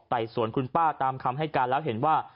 สวนคุณป้าตามคำให้การแล้วเห็นว่า